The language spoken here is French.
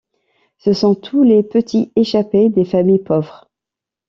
Ce sont tous les petits échappés des familles pauvres.